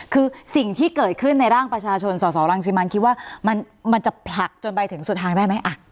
คือสิ่งที่เกิดขึ้นในร่างประชาชนสสรังสิมันคิดว่ามันจะผลักจนไปถึงสุดทางได้ไหม